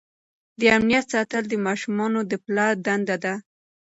د امنیت ساتل د ماشومانو د پلار دنده ده.